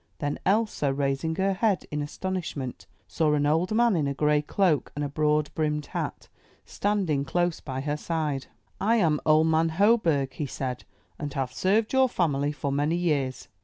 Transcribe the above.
Then Elsa, raising her head in astonishment, saw an old man in a gray cloak and a broad brimmed hat, standing close by her side. '*I am Old Man Hoberg," he said, ''and have served your family for many years.